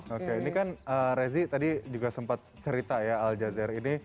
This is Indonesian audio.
oke ini kan rezi tadi juga sempat cerita ya al jazeera ini